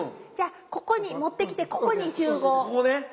じゃあここに持ってきてここに集合。